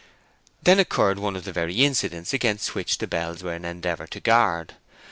Then occurred one of the very incidents against which the bells were an endeavor to guard.